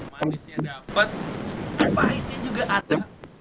manisnya dapat pahitnya juga ada